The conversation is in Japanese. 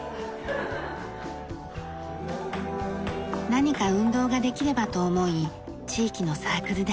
何か運動ができればと思い地域のサークルで始めました。